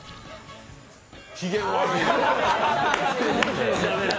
機嫌悪いわ。